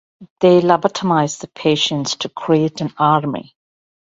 They lobotomize the patients to create an army.